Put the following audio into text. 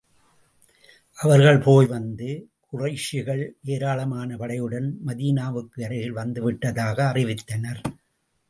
அவர்கள் போய் வந்து, குறைஷிகள் ஏராளமான படையுடன் மதீனாவுக்கு அருகில் வந்து விட்டதாக அறிவித்தனர்.